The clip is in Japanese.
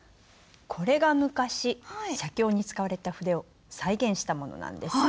これが昔写経に使われた筆を再現したものなんです。